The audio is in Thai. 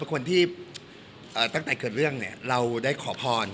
คนที่ตั้งแต่เกิดเรื่องเราได้ขอพร